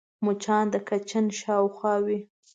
مچان د کچن شاوخوا وي